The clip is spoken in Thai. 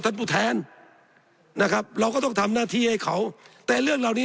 ผู้แทนนะครับเราก็ต้องทำหน้าที่ให้เขาแต่เรื่องเหล่านี้